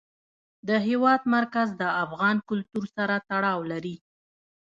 د هېواد مرکز د افغان کلتور سره تړاو لري.